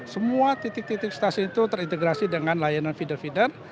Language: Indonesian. semua titik titik stasiun itu terintegrasi dengan layanan feeder feeder